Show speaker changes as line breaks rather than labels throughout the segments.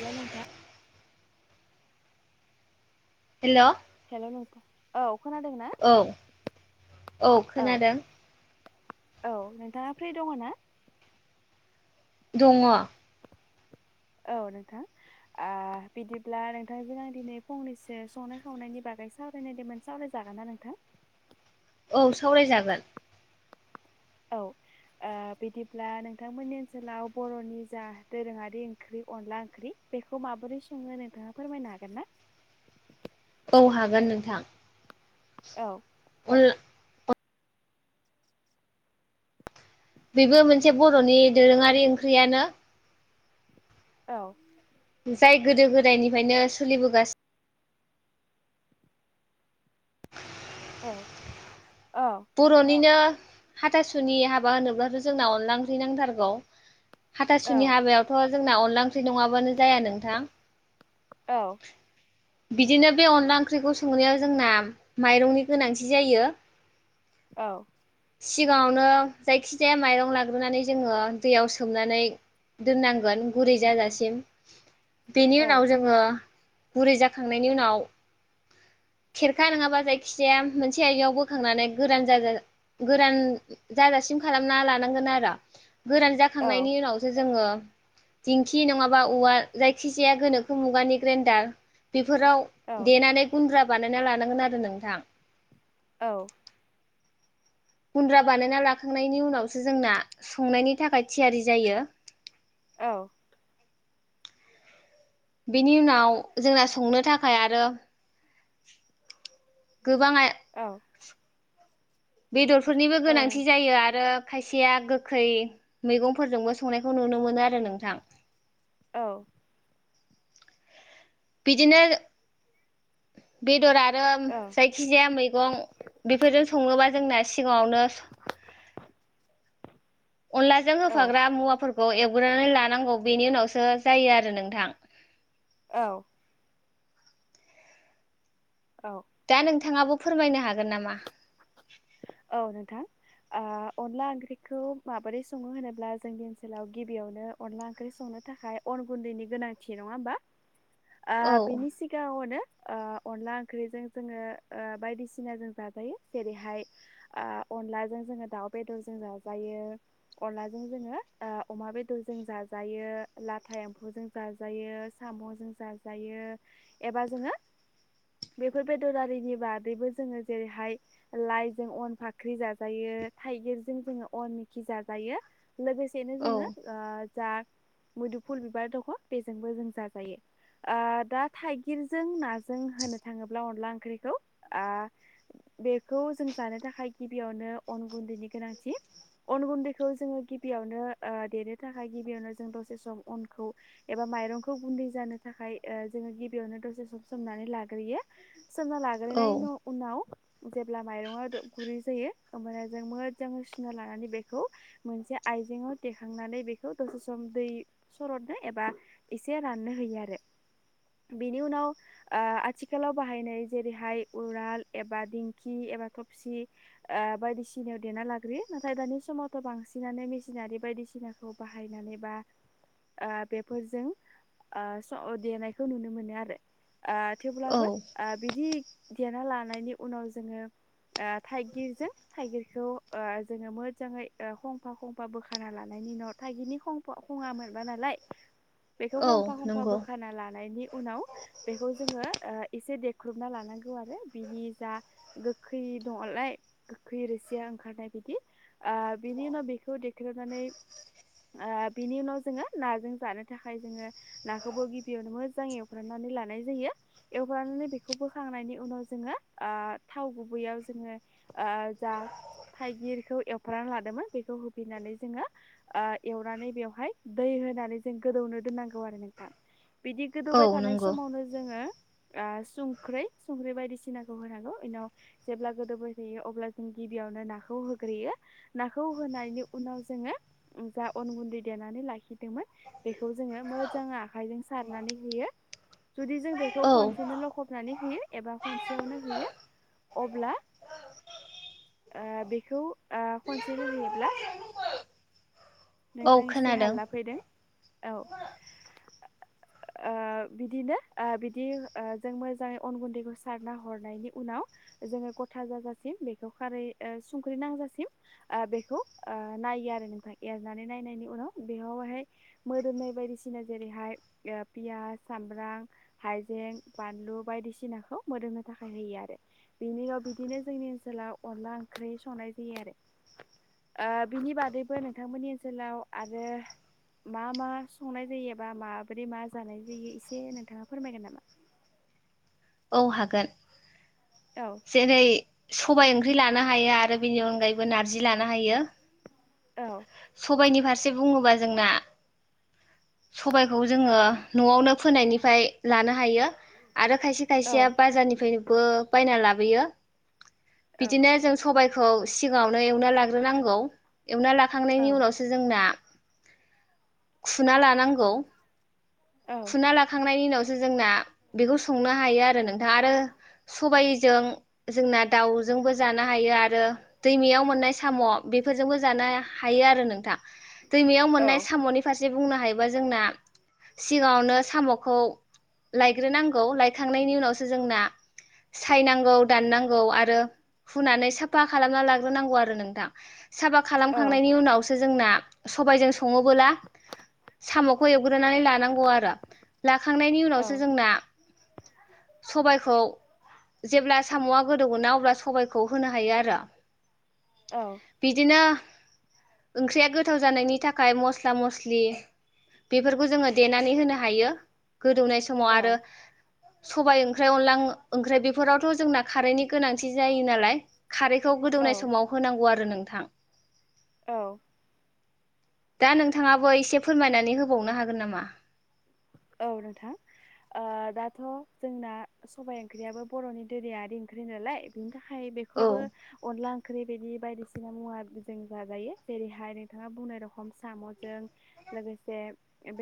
हेल नोंथा।
हेल'
हेल' नोंथां औ खोनादों ना
औ औ खोनादों।
औ नोंथाङा फ्रि दङ ना?
दङ'
औ नोंथां बिदिब्ला नोंथांजों आं दिनै फंनैसो संनाय खावनायनि बागै ओमफ्राय सावरायनाय देमोन सावरायजागोन ना नोंथां?
औ सावरायजागोन।
औ। ओ बिदिब्ला नोंथांमोननि ओनसोलाव बर'नि जा दोरोङारि ओंख्रि अनला ओंख्रि बेखौ माबोरै सङो नोंथाङा फोरमायनो हागोन ना
औ हागोन नोंथां
औ।
अनला बेबो मोनसे बर'नि दोरोङारि ओंख्रियानो।
औ।
जाय गोदो गोदायनिफ्रायनो सोलिबोगासिनो।
औ। औ
बर'निनो हाथासुनि हाबा होनोब्लाथ' जोंना अनला ओंख्रि नांथारगौ हाथासुनि
औ
हाबायावथ' जोंना अनला ओंख्रि नङाबानो जाया नोंथां
औ।
बिदिनो बे अनला ओंख्रिखौ संनायाव जोंना माइरंनि गोनांथि जायो
औ
सिगाङावनो जायखिजाया माइरं लाग्रोनानै जोङो दैयाव सोमनानै दोननांगोन गुरै जाजासिम बेनि
औ
उनाव जोङो गुरै जा खांनायनि उनाव
[inaudible]
खेरखा नङाबा जायखिजाया मोनसे आय बोखांनानै गोरान गोरान जाजासि खालामना लानांगोन आरो गोरान
औ
जाखांनायनि उनावसो जोङो दिंखि नङाबा औवा जायखि जाया गोनोखो मुगानि ग्रेन्डार बेफोराव
औ
देनानै गुन्द्रा बानायना लानांगोन आरो नोंथां
औ
गुन्द्रा बानायना लाखांनायनि उनावसो जोंना संनायनि थाखाय थियारि जायो
औ।
बेनि उनाव जोंना संनो थाखाय आरो। गोबाङा
औ
बेदरफोरनिबो
नों
गोनांथि जायो आरो। खायसेया गोखै मैगंफोरजोंबो संनायखौ नुनो मोनो आरो नोंथां
औ
बिदिनो बेदरा ओम
औ
जायखि जाया मैगं बेफोरजों सङोबा जोंना सिगाङावनो
[inaudible]
अनलाजों
औ
होफाग्रा मुवाफोरखौ खौ एवग्रोनानै लानांगौ बेनि उनावसो जायो आरो नोंथां
औ औ।
दा नोंथाङाबो फोरमायनो हागोन नामा?
औ नोंथां अनला ओंख्रिखौ माबोरै सङो होनोब्ला जोंनि ओनसोलाव गिबियावनो अनला ओंख्रि संनो थाखाय अन गुन्दैनि गोनांथि नङा होमबा ओ
औ
बिनि सिगाङावनो ओ अनला ओंख्रिजों जोङो बायदिसिना जों जाजायो जेरैहाय ओ अनलाजों जोङो दाउ बेदरजों जाजायो अनलाजों जोङो अमा अमा बेदरजों जाजायो लाथा एम्फौजों जाजायो साम'जों जाजायो एबा जोङो बेफोर बेदरारिनि बादैबो जोङो जेरैहाय लाइ जों अन फाख्रि जाजायो थाइगिरजों जोङो अन मैखि जाजायो लोगोसेनो
औ
जोङो जा मुदुफुल बिबार दङ बेजोंबो जों जाजायो आ दा थाइगिरजों नाजों होननो थाङोब्ला अनला ओंख्रिखौ बेखौ जों जानो थाखाय गिबियावनो अन गुन्दैनि गोनांथि अन गुन्दैखौ जोङो गिबियावनो देनो थाखाय गिबियावनो जों दसे सम अनखौ एबा माइरंखौ गुन्दै जानो थाखाय जोङो गिबियावनो दसे सम सोमनानै लाग्रोयो सोमना
औ
लाग्रोननायनि उनाव जेब्ला माइरंआ गुरै जायो होमबानिया जों मोजाङै सुना लानानै बेखौ मोनसे आइजेंआव दिखांनानै नै बेखौ दसे सम दै सरदनो एबा एसे राननो होयो आरो बेनि उनाव ओ आथिखालाव बाहायनाय जेरैहाय उराल एबा दिंखि एबा सि ओ बायदिसिनायाव देना लाग्रोयो नाथाय दानि समावथ' बांसिनानो मेसिनारि बायदिसिना बाहायनानै बा ओ बेफोरजों ओ स देनायखौ नुनो मोनो आरो ओ
औ
थेवब्लाबो ओ बिदि देना लानायनि उनाव जोङो ओ थाइगिरजों थाइगिरखौ ओ जोङो मोजाङै ओ खंफा खंफा बोखाना लानायनि थाइगिरनि खङा मोनबा नालाय बेखौ
औ
खंफा खंफा
नंगौ
बोखाना लानायनि उनाव बेखौ जोङो एसे देख्रुबना लानांगौ आरो बिनि जा गो गोखै दङनालाय गोखै रोसिया ओंखारनाय बायदि ओ बिनि उनाव बेखौ देख्रेबनानै ओ बिनि उनाव जोङो नाजों जानो थाखाय जोङो नाखौबो गिबियावनो मोजाङै एवफ्राननानै लानाय जायो एवफ्राननानै बिखौ बोखांनानि उनाव जोङो ओ थाव गुबैयाव जोङो ओ जा थाइगिरखौ एवफ्रानना लादोंमोन बेखौ होफैननानै जोङो एवनानै बेवहाय दै होनानै जों गोदौनो दोननांगौ आरो नोंथां बिदि
औ
गोदौबाय थानाय
नंगौ
समावनो जोङो ओ संख्रै संख्रै बायदिसिनाखौ होनांगौ बेनाव जेब्ला गोदोबोाय थायो अब्ला जों गिबियावनो नाखौ होग्रोयो नाखौ होनायनि उनाव जों जा अन गुन्दै देनानै लाखिदोंमोन बेखौ जोङो मोजांङै आखायजों सारनानै होयो जुदि जों बेखौ
औ
खनसेनो लखबनानै होयो एबा खनसेयावनो होयो अब्ला ओ बेखौ ओ खनसेनो होयोब्ला
औ
नोंथां एसे
खोनादों
हालला फैदों औ ओ ओ बिदिनो ओ बिदि ओ जों मोजाङै अन गुन्दैखौ सारना हरनायनि उनाव जोङो गथा जाजासिम बेखौ खारै ओ संख्रि नांजासिम ओ बेखौ ओ नाया एरनानै नायनायनि उनाव बेयावहाय मोदोमनाय बायदिसिना जेरैहाय ओ पिया सामब्रां हाइजें बानलु बायदिसिनाखौ मोदोमनो थाखाय होयो आरो। बिनिया बिदिनो जोंनि ओनसोलाव अनला ओंख्रि संनाय जायो आरो। ओ बिनि बादैबो नोंथांमोननि ओनसोलाव आरो मा मा संनाय जायोबा माबोरै मा जानाय जायो एसे नोंथाङा फोरमायगोन नामा? [inaudible]
औ हागोन।
औ
जेरै सबाय ओंख्रि लानो हायो आरो बेनि अनगायैबो नारजि लानो हायो।
औ
सबायनि फारसे बुङोबा जोंना सबायखौ जोङो न'आवनो फोनायनिफ्राय लानो हायो। आरो खायसे
औ
खायसेया बाजारनिफ्रायनोबो बायना लाबोयो।
औ
बिदिनो जों सबाय खौ सिगाङावनो एवना लाग्रोनांगौ। एवना
औ
लाखांनायनि उनावसो जोंना खुना लानांगौ
औ
खुना लाखांनायनि उनाव जोंना बेखौ संनो हायो आरो नोंथा आरो सबायजों जोंना दाउजोंबो जानो हायो आरो दैमायाव मोननाय साम' बेफोरजोंबो जानो हायो आरो नोंथां। दैमायाव मोननाय
औ
साम'नि फार से बुंनो हायोबा जोंना सिगाङावनो साम'खौ लायग्रोनांगौ लायखांनायनि उनावसो जोंना सायनांगौ दाननांगौ आरो हुनानै साफा खालामना लाग्रोनांगौ आरो नोंथां। साफा
औ
खालामखांनायनि उनाव सो जोंना सबायजों सङोबोला साम'खौ एवग्रोनानै लानांगौ आरो। लाखांनायनि उनावसो
औ
जोंना
[inaudible]
सबायखौ जेब्ला साम'आ गोदौ गोना अब्ला सबायखौ होनो हायो आरो। बिदिनो ओंख्रिया गोथाव जानायनि थाखाय मस्ला मस्लि बेफोरखौ जोङो देनानै होनो हायो गोदौनाय समाव आरो सबाय ओंख्रि अनला ओं-ओंख्रि बेफोरावथ' जोंना खारैनि गोनांथि जायो नालाय खारैखौ
औ
गोदौनाय समाव होनांगौ आरो नोंथां।
औ।
दा नोंथाङाबो एसे फोरमायनानै होबावनो हागोन नामा?
औ नोंथां। ओ दाथ' जोंना सबाय ओंख्रियाबो बर'नि दिरियारि ओंख्रि नालाय बिनि था खाय
औ
बेखौबो अनला ओंख्रि बिदि बायदिसिना मुवा जों जाजायो जेरैहाय नोंथाङा बुंनाय रखम साम'जों, लोगोसे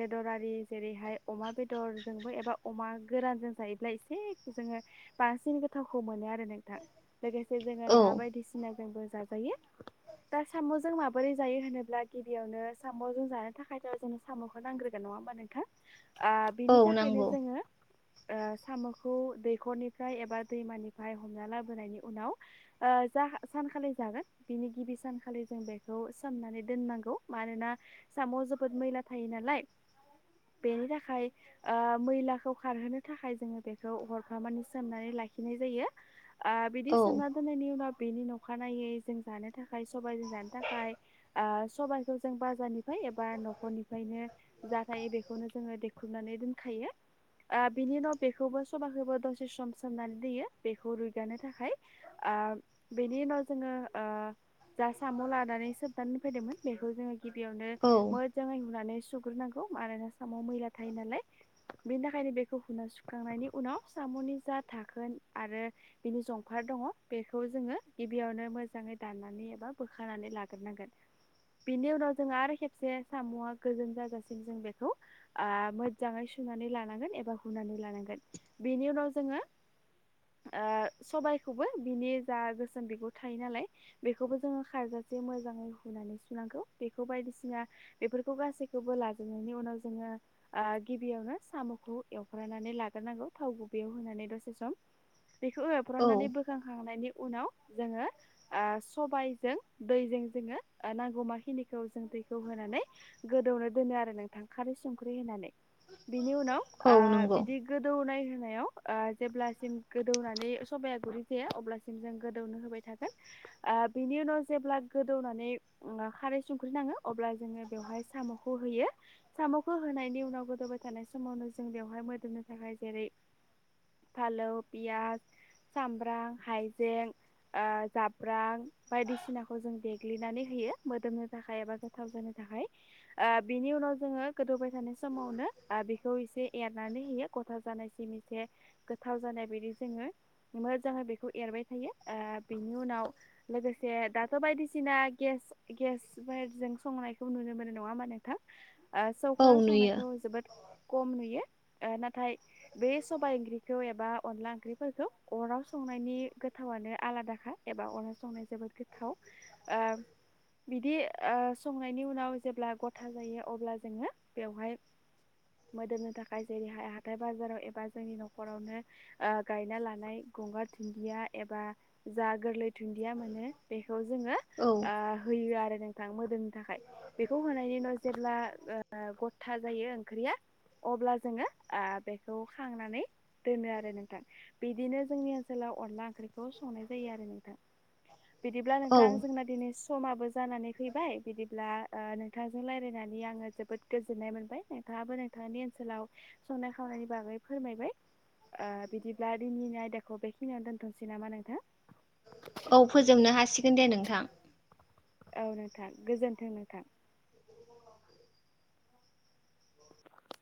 बेदरारि जेरैहाय अमा बेदरजोंबो एबा अमा गोरानजों जायोब्ला एसे जोङो बांसिन गोथावखौ मोनो आ रो नोंथां लोगोसे जोङो
औ
ना बायदिसिना जोंबो जाजायो। दा साम'जों माबोरै जायो होनोब्ला गिबियावनो साम'जों जानो थाखायथ' जोंनो साम'खौ नांग्रोन नङा होमबा नोंथां ओ
औ
बिनि थाखायनो
नंगौ
जोङो ओ साम'खौ दैखरनिफ्राय एबा दैमानिफ्राय हमना लाबोनायनि उनाव ओ जा सानखालि जागोन बिनि गिबि सानखालि जों बेखौ सोमनानै दोननांगौ मानोना साम'आव जोबोद मैला थायो नालाय बेनि था खाय ओ मैलाखौ खारहोनो थाखाय जोङो बेखौ हरफा मानि सोमनानै लाखिनाय जायो। आ बिदि
औ
सोमना दोननायनि उनाव बेनि नखानायै जों जानो थाखाय सबाइ जों जानो थाखाय ओ सबाइखौ जों बाजारनि फाय एबा न'खरनिफ्रायनो जा थायो बेखौनो जोङो देख्रुबनानै दोनखायो। ओ बिनि उनाव बेखौबो सबाखौबो दसे सम सोमनानै दयो बेखौ रुइगानो थाखाय आं बेनि उनाव जोङो ओ जा साम' लानानै सोबनानै फैदोंमोन बेखौ जोङो गिबियावनो
औ
मोजाङै रुनानै सुग्रोनांगौ मानोना सामाव मैला थायो नालाय बेनि थाखायनो बेखौ हुना सुखांनायनि उनाव सामनि जा थाखोन आरो बेनि जंफार रं दङ बेखौ जोङो गिबियावनो मोजाङै दाननानै एबा बोखानानै लाग्रोनांगोन बेनि उनाव जोंङो आरो खेबसे सामआ गोजोन जाजासिम जों बेखौ आ मोजाङै सुनानै लानांगोन एबा हुनानै लानांगोन बेनि उनाव जोङो ओ सबायाइखौबो बिनि जा गोसोम बिगुर थायो नालाय बेखौबो जोङो खारजोब जासे मोजाङै हुनानै सुनांगौ बेखौ बायदिसिना बेफोरखौ गासैखौबो लाजोबनायनि उनाव जोङो ओ गिबियावनो सामखौ एवफ्र्रानानै लाग्रोनांगौ थाव गुबयाव होनानै दसे सम बेखौ
औ
एवफ्रानानै बोखांखांनायनि उनाव जोङो ओ सबायजों दैजों जोङो नांगौमाखिनिखौ जों दैखौ होनानै गोदौनो दोनो आरो नोंथां खालि ख्रुइ होनानै बिनि उनाव
औ
आ
नंगौ
बिदि गोदौनाय नायाव आ जेब्लासिम गोदौनानै सबाया गुरै जाया अब्लासिम जों गोदौनो होबाय थागोन आ बिनि उनाव जेब्ला गोदौनानै खारै संख्रि नाङो अब्ला जोङो बेवहाय साम' खौ होयो साम' खो होनायनि उनाव गोदौबाय थानाय समावनो जों बेवहाय मोदोमनो थाखाय जेरै फालौ पियास सामब्रां हाइजें ओ जाब्रां बायदिसिनाखौ जों देग्लिनानै होयो मोदोमनो थाखाय एबा गोथाव जानो थाखाय ओ बिनि उनाव जोङो गोदौबाय थानाय समावनो आ बेखौ इसे एरनानै होयो गथा जानायसिम इसे गोथाव जान जायबायदि जोङो मोजाङै बेखौ एरबाय थायो ओ बिनि उनाव लोगोसे दाथ' बायदिसिना गेस-गेसफोरजों संनायखौ नुनो मोनो नङा होमा नोंथां ओ
औ
सौखायाव
नुयो
संनायखौ जोबोद खम नुयो ओ नाथाय बे सबाय ओंख्रिखौ एबा अनला ओंख्रिफोरखौ अराव संनायनि गो थावानो आलादाखा एबा अराव संनाया जोबोद गोथाव आ बिदि ओ संनायनि उनाव जेब्ला गथा जायो अब्ला जोङो बेवहाय मोदोमनो थाखाय जेरैहाय हाथाय बाजाराव एबा जोंनि न'खरावनो ओ गायना लानाय गंगार धुन्दिया एबा जा गोरलै धुन्दिया मोनो बे खौ जोङो
औ
आ होयो आरो नोंथां मोदोमनो थाखाय बेखौ होनायनि उनाव जेब्ला ओ गथा जायो ओंख्रिया अब्ला जोङो आ बेखौ खांनानै दोनो आरो नोंथां बिदिनो जोंनि ओनसोलाव अनला ओंख्रिखौ संनाय जायो आरो नोंथां बिदिब्ला
औ
नोंथां जोंना दिनैस समाबो जानानै फैबाय बिदिब्ला ओ नोंथांजों लायरायनानै आङो जोबोद गोजोननाय मोनबाय नोंथाङाबो नोंथांनि ओनसोलाव संनाय खावनायनि बागै फोरमायबाय ओ बिदिब्ला दिनैनि आयदाखौ बेखिनियावनो दोन्थ'नोसै नामा नोंथां
औ फोजोबनो हासिगोन दे नोंथां
औ नोंथां गोजोन्थों नोंथां